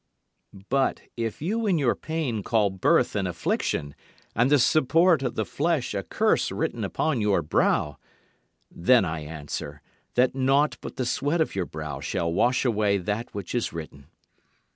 But if you in your pain call birth an affliction and the support of the flesh a curse written upon your brow, then I answer that naught but the sweat of your brow shall wash away that which is written.